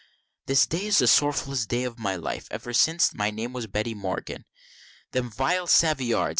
This day is the sorrowfullest day of my life, ever since my name was Betty Morgan, Them vile Savoyards!